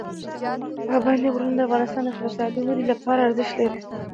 پابندی غرونه د افغانستان د اقتصادي ودې لپاره ارزښت لري.